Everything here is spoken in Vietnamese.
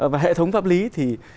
và hệ thống pháp lý thì